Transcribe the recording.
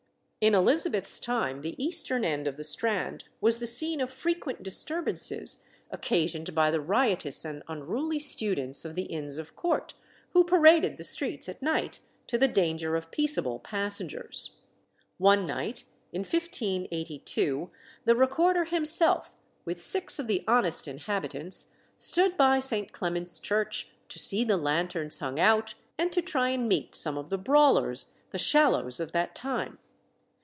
In Elizabeth's time the eastern end of the Strand was the scene of frequent disturbances occasioned by the riotous and unruly students of the inns of court, who paraded the streets at night to the danger of peaceable passengers. One night in 1582, the Recorder himself, with six of the honest inhabitants, stood by St. Clement's Church to see the lanterns hung out, and to try and meet some of the brawlers, the Shallows of that time.